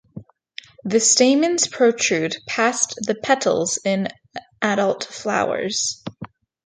The stamens protrude past the petals in adult flowers.